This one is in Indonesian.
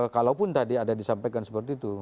kalaupun tadi ada disampaikan seperti itu